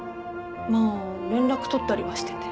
まあ連絡取ったりはしてて。